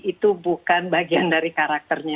itu bukan bagian dari karakternya